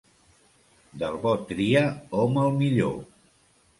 Del bo tria hom el millor.